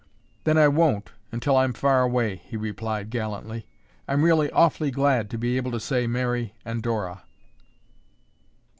"Then I won't until I'm far away," he replied gallantly. "I'm really awfully glad to be able to say Mary and Dora."